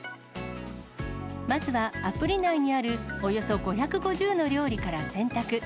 まずはアプリ内にあるおよそ５５０の料理から選択。